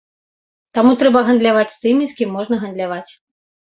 Таму трэба гандляваць з тымі, з кім можна гандляваць.